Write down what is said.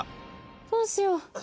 どうしよう。